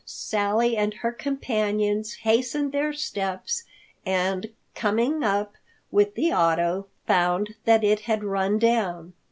Sally and her companions hastened their steps and, coming up with the auto, found that it had run down.